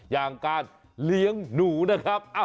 อย่างการเลี้ยงหนูนะครับ